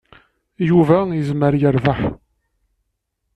Yuba yezmer yerbeḥ.